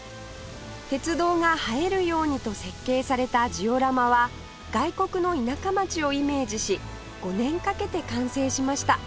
鉄道が映えるようにと設計されたジオラマは外国の田舎町をイメージし５年かけて完成しました